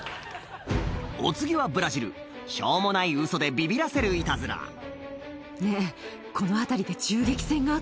お次はブラジルしょうもないウソでビビらせるイタズラねぇ。